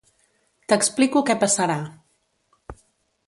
T'explico què passarà.